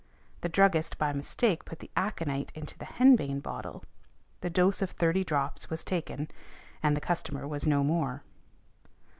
The druggist by mistake put the aconite into the henbane bottle, the dose of thirty drops was taken, and the customer was no more.